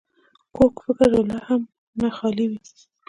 کوږ فکر له رحم نه خالي وي